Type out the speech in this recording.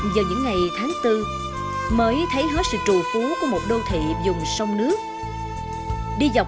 giờ những ngày tháng bốn mới thấy hết sự trù phú của một đô thị dùng sông nước